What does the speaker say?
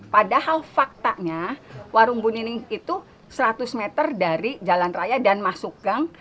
padahal faktanya warung bu nining itu seratus meter dari jalan raya dan masuk gang